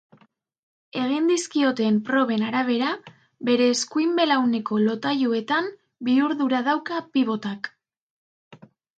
Egin dizkioten proben arabera, bere eskuin belauneko lotailuetan bihurdura dauka pibotak.